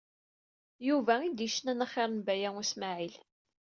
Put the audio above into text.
Yuba i d-yecnan axir n Baya U Smaɛil.